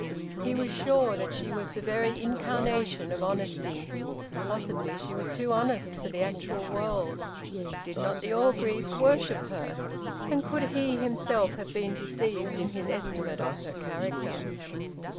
He was sure that she was the very incarnation of honesty possibly she was too honest for the actual world. Did not the Orgreaves worship her? And could he himself have been deceived in his estimate of her character?